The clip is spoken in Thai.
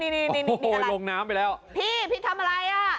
พี่พี่ทำอะไร